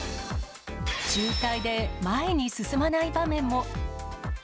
渋滞で前に進まない場面も。